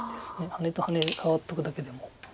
ハネとハネ換わっとくだけでも。